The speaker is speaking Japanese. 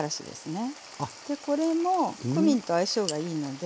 これもクミンと相性がいいので。